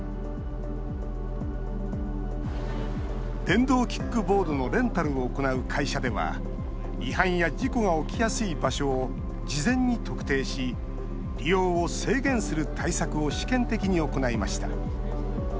電動キックボードのレンタルを行う会社では違反や事故が起きやすい場所を事前に特定し利用を制限する対策を試験的に行いました。